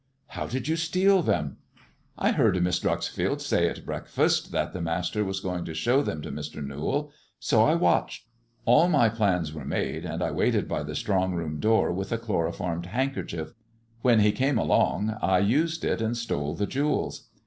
How did you steal them? " "I heard Miss Dreuxfield say at breakfast that the master was going to show them to Mr. Newall, so I watched. All my plans were made, and I waited by the strong room door with a chloroformed handkerchief. When he came along I used it, and stole the jewels.